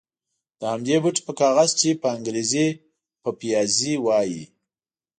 د همدې بوټي په کاغذ چې په انګرېزي پپیازي وایي.